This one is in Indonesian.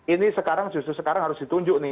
ini sekarang justru sekarang harus ditunjuk nih